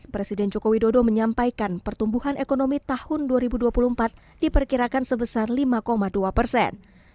presiden joko widodo menyampaikan pertumbuhan ekonomi tahun dua ribu dua puluh empat diperkirakan sebesar lima dua persen